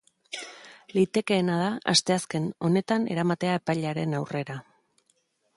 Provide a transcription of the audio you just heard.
Litekeena da asteazken honetan eramatea epailearen aurrera.